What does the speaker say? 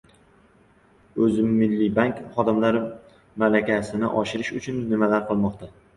«O‘zmilliybank» xodimlari malakasini oshirish uchun nimalar qilinmoqda?